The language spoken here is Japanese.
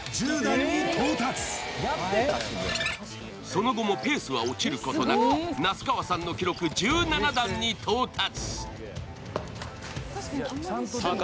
その後もペースは落ちることなく、那須川さんの記録１７段に到達。